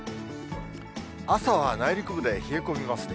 朝は内陸部で冷え込みますね。